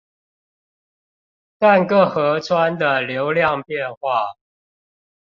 但各河川的流量變化